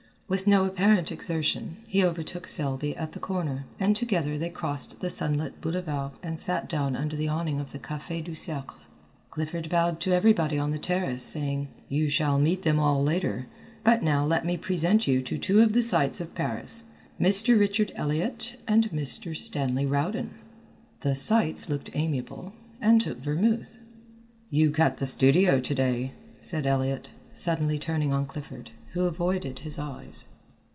With no apparent exertion, he overtook Selby at the corner, and together they crossed the sunlit Boulevard and sat down under the awning of the Café du Cercle. Clifford bowed to everybody on the terrace, saying, "You shall meet them all later, but now let me present you to two of the sights of Paris, Mr. Richard Elliott and Mr. Stanley Rowden." The "sights" looked amiable, and took vermouth. "You cut the studio to day," said Elliott, suddenly turning on Clifford, who avoided his eyes.